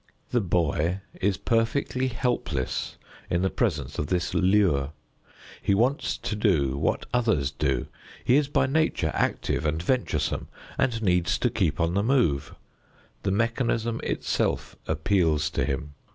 The boy is perfectly helpless in the presence of this lure. He wants to do what others do. He is by nature active and venturesome and needs to keep on the move. The mechanism itself appeals to him.